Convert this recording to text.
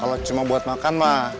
kalau cuma buat makan mah